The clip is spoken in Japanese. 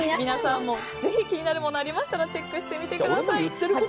皆さんもぜひ気になるものありましたらチェックしてみてください。